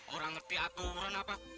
orang ngerti aburan apa